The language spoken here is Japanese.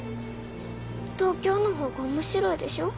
東京の方が面白いでしょ？